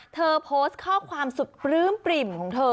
เธอโพสต์ข้อความสุดปริ้มของเธอ